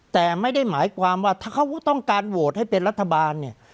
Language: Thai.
แต่ไม่ได้หมายความว่าถ้าเขาต้องการโหวตให้เป็นรัฐบาลเนี่ย